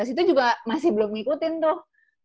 dua ribu delapan belas itu juga masih belum ngikutin tuh